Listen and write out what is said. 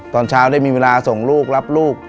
ตอนเช้าได้มีเวลาส่งลูกรับลูก